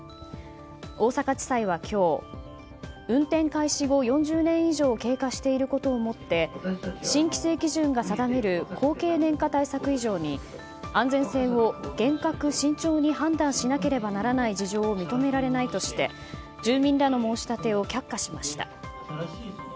大阪地裁は今日、運転開始後４０年以上経過していることをもって新規制基準が定める高経年化対策以上に安全性を厳格・慎重に判断しなければならない事情を認められないとして住民らの申し立てを却下しました。